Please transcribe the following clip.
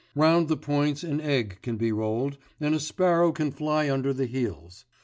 Round the points an egg can be rolled, and a sparrow can fly under the heels.